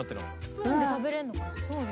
スプーンで食べれんのかな？